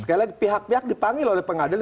sekali lagi pihak pihak dipanggil oleh pengadilan